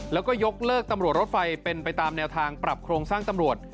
แล้วก็ยกเลิกตำรวจรถไฟเป็นไปตามแนวทางปรับโครงสร้างตำรวจ